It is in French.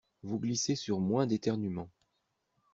Vous glissez sur moins d'éternuements.